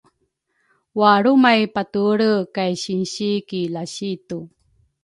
walrumay patuelre kay sinsi ki lasitu.